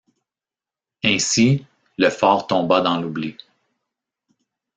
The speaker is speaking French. Ainsi, le fort tomba dans l'oubli.